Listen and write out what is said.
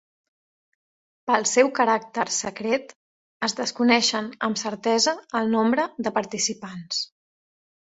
Pel seu caràcter secret es desconeixen amb certesa el nombre de participants.